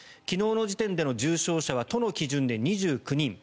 昨日の時点での重症者は都の基準で２９人。